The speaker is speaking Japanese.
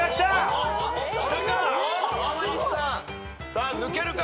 さあ抜けるか？